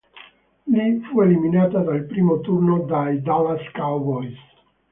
Lì fu eliminata nel primo turno dai Dallas Cowboys.